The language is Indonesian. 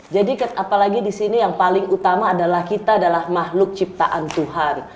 jadi apalagi di sini yang paling utama adalah kita adalah mahluk ciptaan tuhan